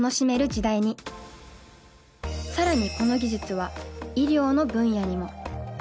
さらにこの技術は医療の分野にも。